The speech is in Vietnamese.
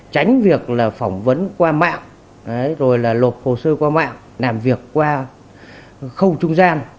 tránh việc là phỏng vấn qua mạng rồi là lộp hồ sơ qua mạng làm việc qua khâu trung gian